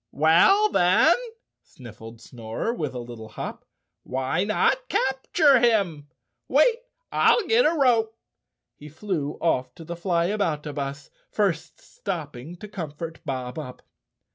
"Well, then," sniffled Snorer with a little hop, "why not capture him? Wait, I'll get a rope." He flew off to the Flyaboutabus, first stopping to comfort Bob Up.